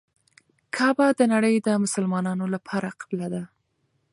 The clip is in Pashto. کعبه د نړۍ د مسلمانانو لپاره قبله ده.